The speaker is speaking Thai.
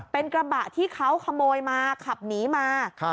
เป็นกระบะที่เขาขโมยมาขับหนีมา